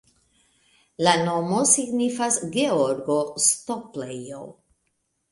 La nomo signifas: Georgo-stoplejo.